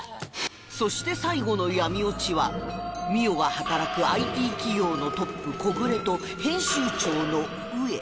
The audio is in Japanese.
そして最後の闇落ちは澪が働く ＩＴ 企業のトップ小暮と編集長の上